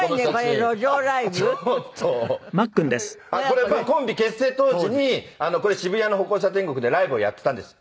これコンビ結成当時に渋谷の歩行者天国でライブをやっていたんです。